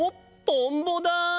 トンボだ！